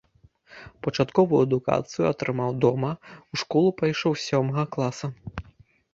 Пачатковую адукацыю атрымаў дома, у школу пайшоў з сёмага класа.